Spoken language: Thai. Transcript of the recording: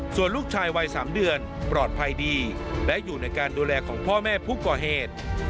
ส่วนลูกชายวัย๓เดือนปลอดภัยดีและอยู่ในการดูแลของพ่อแม่ผู้ก่อเหตุ